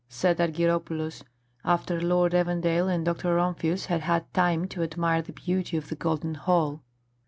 said Argyropoulos, after Lord Evandale and Doctor Rumphius had had time to admire the beauty of the Golden Hall.